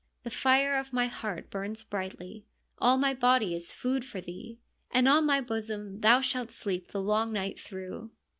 The fire of my heart burns brightly, All my body is food for thee, And on my bosom thou shalt sleep the long night through.